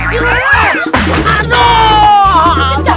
enggak enggak enggak enggak